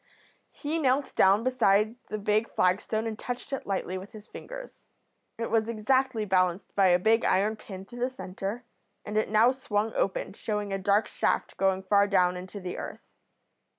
"He knelt down beside the big flagstone and touched it lightly with his fingers. It was exactly balanced by a big iron pin through the centre, and it now swung open, showing a dark shaft going far down into the earth.